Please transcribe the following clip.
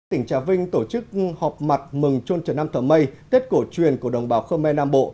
tỉnh trà vinh tổ chức họp mặt mừng trôn trần nam thờ mây tết cổ truyền của đồng bào khơ me nam bộ